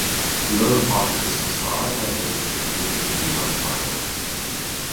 The lower part of this façade has been significantly modified.